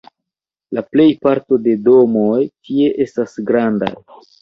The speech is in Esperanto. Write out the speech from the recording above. La plejparto de domoj tie estas grandaj.